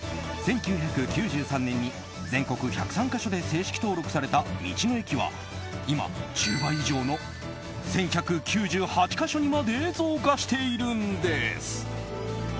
１９９３年に全国１０３か所で正式登録された道の駅は今、１０倍以上の１１９８か所まで増加しているんです。